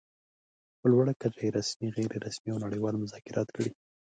په لوړه کچه يې رسمي، غیر رسمي او نړۍوال مذاکرات کړي.